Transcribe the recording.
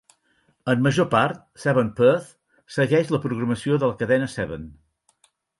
En major part, Seven Perth segueix la programació de la cadena Seven.